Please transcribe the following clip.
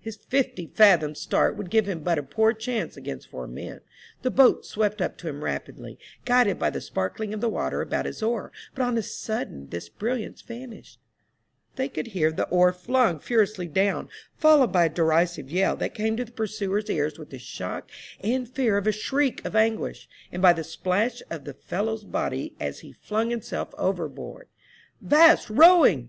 His fifty fathoms' start would give him but a poor chance against four men. The boat swept up to him rapidly, guided by the sparkling of the water about his oar, but on a sudden this brilliance vanished ; they could hear the oar flung furiously down, followed by a derisive yell, that came to the pursuers' ears with the shock and fear of a shriek of anguish, and by the splash of the fellow's body as he flung himself over board. " 'Vast rowing